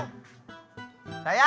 ah sudah tidak